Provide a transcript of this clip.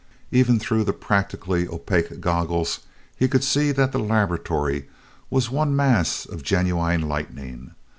Even through the practically opaque goggles he could see that the laboratory was one mass of genuine lightning.